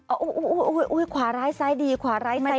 โอ้โหขวาร้ายซ้ายดีขวาร้ายซ้าย